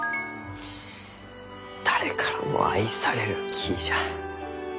誰からも愛される木じゃ。